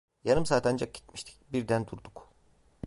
Yarım saat ancak gitmiştik, birden durduk.